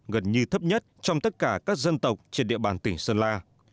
gần như thấp nhất trong tất cả các dân tộc trên địa bàn tỉnh sơn la